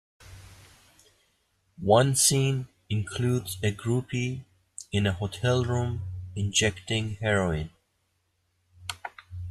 One scene includes a groupie in a hotel room injecting heroin.